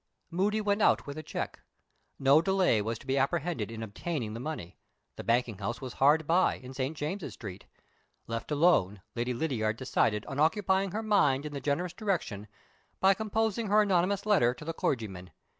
Moody went out with the check. No delay was to be apprehended in obtaining the money; the banking house was hard by, in St. James's Street. Left alone, Lady Lydiard decided on occupying her mind in the generous direction by composing her anonymous letter to the clergyman.